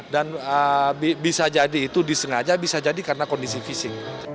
dan bisa jadi itu disengaja bisa jadi karena kondisi visi